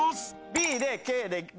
ＢでＫでＢ。